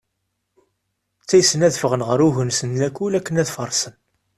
Ttaysen ad d-ffɣen ɣer ugnes n lakul akken ad farsen.